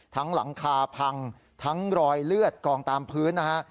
หลังคาพังทั้งรอยเลือดกองตามพื้นนะฮะ